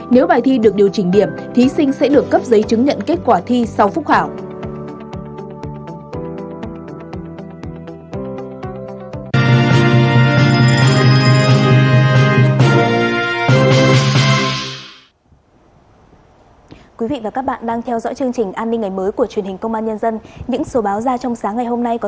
nếu bài thi được điều chỉnh điểm thí sinh sẽ được cấp giấy chứng nhận kết quả thi sau phúc khảo